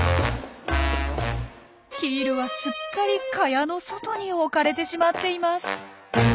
キールはすっかり蚊帳の外に置かれてしまっています。